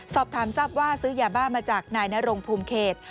สอบถามทราบว่าซื้อยาบ้ามาจากนายนรงภูมิเขต